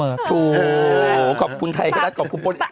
โอ้โหขอบคุณไทยรัฐขอบคุณบน